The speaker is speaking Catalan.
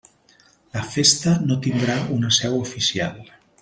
La Festa no tindrà una seu oficial.